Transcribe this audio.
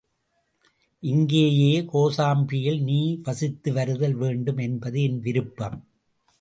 இங்கேயே கோசாம்பியில் நீ வசித்து வருதல் வேண்டும் என்பது என் விருப்பம்.